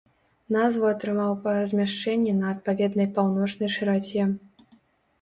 Назву атрымаў па размяшчэнні на адпаведнай паўночнай шыраце.